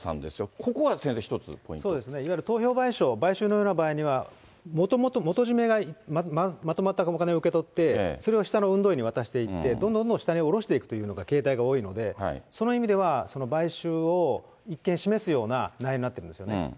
ここは先生、いわゆる投票買収、買収のような場合には、もともと、元締めがまとまった金を受け取って、それを下の運動員に渡していって、どんどんどんどん下に下ろしていくというような形態が多いので、その意味では買収を一見示すような内容になってるんですよね。